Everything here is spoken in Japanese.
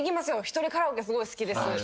一人カラオケすごい好きです。